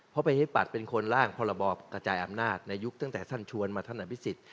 เพราะประเภทปัตธ์เป็นคนร่างพรบกระจายอำนาจในยุคตั้งแต่ท่านชวนมาท่านหน้าพิสิทธิ์